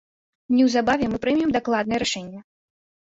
Неўзабаве мы прымем дакладнае рашэнне!